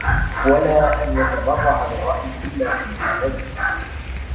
وَلَا أَنْ يَتَبَرَّعَ بِالرَّأْيِ إلَّا فِيمَا لَزِمَ